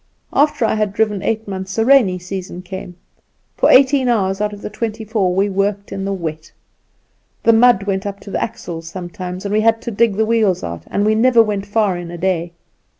After I had driven eight months a rainy season came. For eighteen hours out of the twenty four we worked in the wet. The mud went up to the axles sometimes, and we had to dig the wheels out, and we never went far in a day.